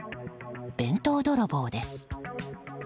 弁当泥棒です。